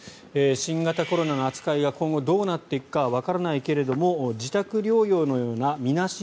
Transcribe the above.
新型コロナの扱いが今後どうなっていくかはわからないけれども自宅療養のようなみなし